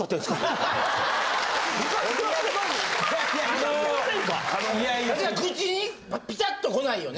あの口にピタッとこないよね。